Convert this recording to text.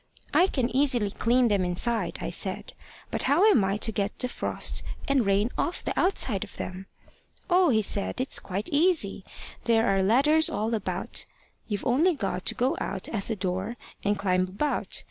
`I can easily clean them inside,' I said; `but how am I to get the frost and rain off the outside of them?' `Oh!' he said, `it's quite easy. There are ladders all about. You've only got to go out at the door, and climb about.